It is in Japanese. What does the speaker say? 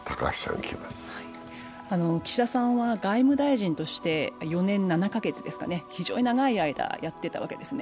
岸田さんは外務大臣として４年７カ月、非常に長い間やってたわけですね。